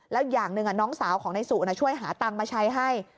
แล้วอย่างหนึ่งน้องสาวของนายสุช่วยหาตังค์มาใช้ให้